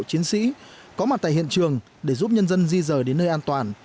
chiến sĩ có mặt tại hiện trường để giúp nhân dân di rời đến nơi an toàn